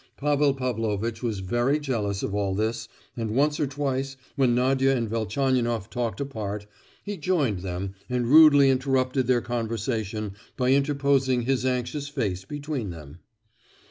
Pavel Pavlovitch was very jealous of all this, and once or twice when Nadia and Velchaninoff talked apart, he joined them and rudely interrupted their conversation by interposing his anxious face between them.